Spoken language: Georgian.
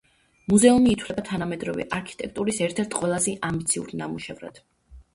მუზეუმი ითვლება თანამედროვე არქიტექტურის ერთ-ერთ ყველაზე ამბიციურ ნამუშევრად.